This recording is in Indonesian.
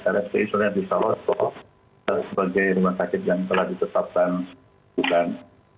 rsi culianti saroso sebagai rumah sakit yang telah ditetapkan